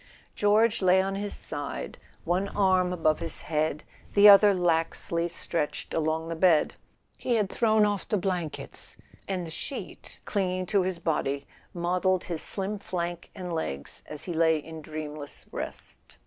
George lay on his side, one arm above his head, the other laxly stretched along the bed. He had thrown off the blankets, and the sheet, clinging to his body, modelled his slim flank and legs as he lay in dreamless rest.